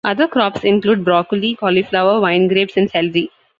Other crops include broccoli, cauliflower, wine grapes, and celery.